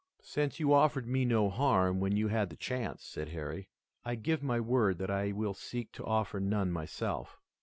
"Since you offered me no harm when you had the chance," said Harry, "I give my word that I will seek to offer none myself.